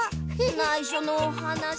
ないしょのおはなし。